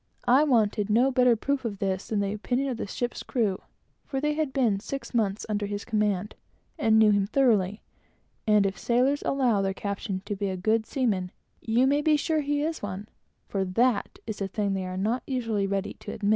I wanted no better proof of this than the opinion of the ship's crew, for they had been six months under his command, and knew what he was; and if sailors allow their captain to be a good seaman, you may be sure he is one, for that is a thing they are not always ready to say.